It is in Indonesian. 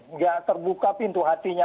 tidak terbuka pintu hatinya